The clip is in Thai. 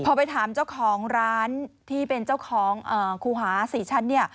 พอไปถามเจ้าของร้านที่เป็นเจ้าของครูหาสี่ชั้น